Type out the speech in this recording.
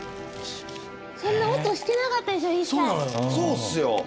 そんな音してなかったですよ